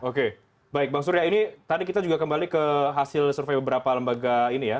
oke baik bang surya ini tadi kita juga kembali ke hasil survei beberapa lembaga ini ya